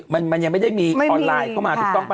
มันยังไม่ได้มีออนไลน์เข้ามา